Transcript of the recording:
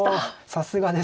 さすがです。